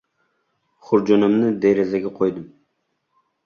Xurjunimni derazaga qo‘ydim.